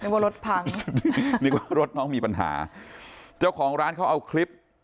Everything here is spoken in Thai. ว่ารถพังนึกว่ารถน้องมีปัญหาเจ้าของร้านเขาเอาคลิป